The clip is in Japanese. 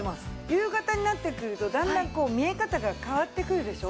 夕方になってくるとだんだんこう見え方が変わってくるでしょ？